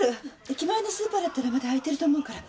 駅前のスーパーだったらまだ開いてると思うから。